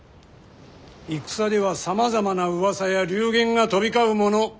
戦ではさまざまなうわさや流言が飛び交うもの。